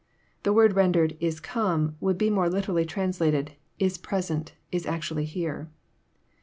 The word rendered " is come would be more literally trans lated, " is present : is actually here.